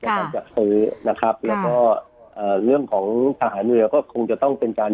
การจัดซื้อนะครับแล้วก็เอ่อเรื่องของทหารเรือก็คงจะต้องเป็นการ